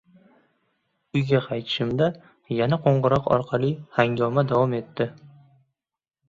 Uyga qaytishimda yana qo`ng`iroq orqali hangoma davom etdi